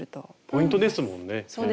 ポイントですもんね。